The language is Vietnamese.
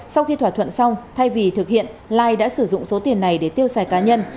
sau khi thỏa thuận xong thay vì thực hiện lai đã sử dụng số tiền này để tiêu xài cá nhân